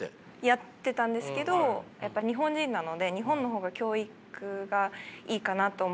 やってたんですけどやっぱ日本人なので日本の方が教育がいいかなと思って。